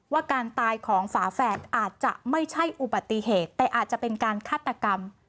ว่าการตายของฝาแฝดอาจจะไม่ใช่อุบัติเหตุแต่อาจจะเป็นการฆาตกรรม